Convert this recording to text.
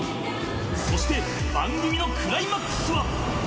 そして番組のクライマックスは。